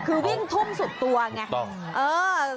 คือวิ่งทุ่มสุดตัวไง